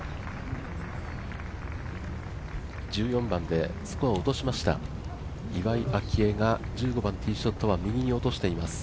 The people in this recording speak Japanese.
１４番でスコアを落としました岩井明愛が１５番ティーショットは右に落としています。